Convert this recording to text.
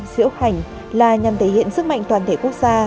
diễu hành là nhằm thể hiện sức mạnh toàn thể quốc gia